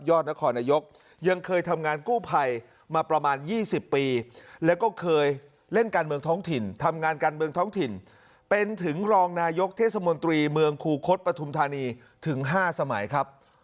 นครนายกยังเคยทำงานกู้ภัยมาประมาณ๒๐ปีแล้วก็เคยเล่นการเมืองท้องถิ่นทำงานการเมืองท้องถิ่นเป็นถึงรองนายกเทศมนตรีเมืองคูคศปฐุมธานีถึง๕สมัยครับ